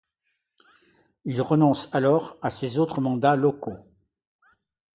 Il renonce alors à ses autres mandats locaux.